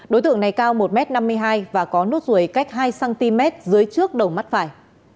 đối tượng này cao một m năm mươi hai và có nốt ruồi cách hai cm dưới trước đầu mắt phải